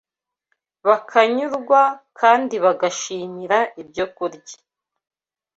bakanyurwa kandi bagashimira ibyo byokurya